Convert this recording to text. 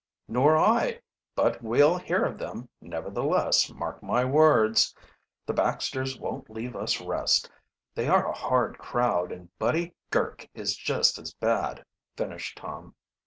"Nor I but we'll hear of them, nevertheless, mark my words. The Baxters won't leave us rest. They are a hard crowd, and Buddy Girk is just as bad," finished Tom.